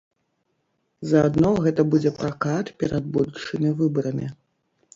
Заадно гэта будзе пракат перад будучымі выбарамі.